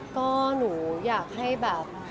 ก็หนูอยากให้แบบ